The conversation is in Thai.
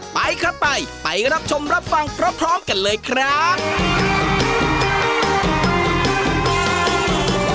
ไปครับไปไปรับชมรับฟังพร้อมกันเลยครับ